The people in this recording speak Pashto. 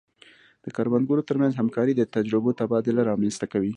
د کروندګرو ترمنځ همکاري د تجربو تبادله رامنځته کوي.